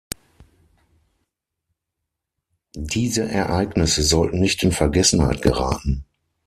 Diese Ereignisse sollten nicht in Vergessenheit geraten.